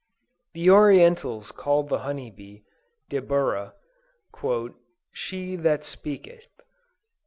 The Orientals call the honey bee, Deburrah, "She that speaketh."